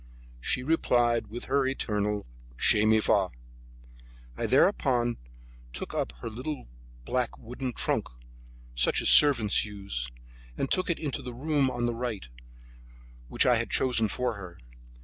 She replied with her eternal "Che mi fa!" I thereupon took up her little black wooden trunk, such as servants use, and took it into the room on the right, which I had chosen for her.